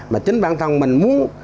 mà chính bản thân mình muốn